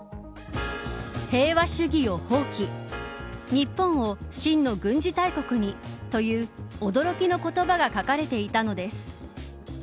日本を真の軍事大国に、という驚きの言葉が書かれていたのです。